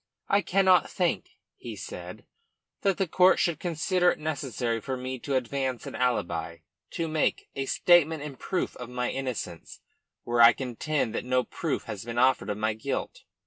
"I cannot think," he said, "that the court should consider it necessary for me to advance an alibi, to make a statement in proof of my innocence where I contend that no proof has been offered of my guilt."